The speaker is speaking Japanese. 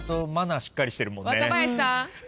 若林さん。